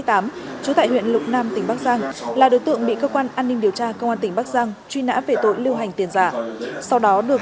trú tại huyện lục nam tỉnh bắc giang là đối tượng bị cơ quan an ninh điều tra công an tỉnh bắc giang truy nã về tội lưu hành tiền giả